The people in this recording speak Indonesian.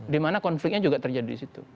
dimana konfliknya juga terjadi disitu